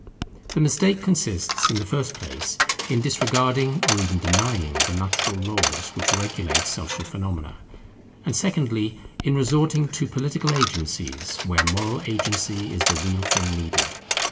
The mistake consists in the first place, in disregarding or even denying the natural laws which regulate social phenomena; and secondly, in resorting to political agencies where moral agency is the real thing needed.